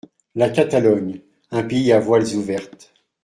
La Catalogne : un pays à voiles ouvertes.